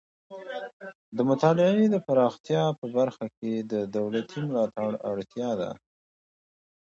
د مطالعې د پراختیا په برخه کې د دولتي ملاتړ اړتیا ده.